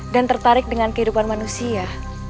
dan tertarik dengan kehidupan manusia